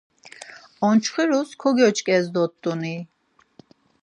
Onçxirus kogyoç̌ǩes dort̆un, iik.